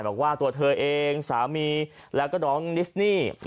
บอกว่าตัวเธอเองสามีแล้วก็น้องนิสนี่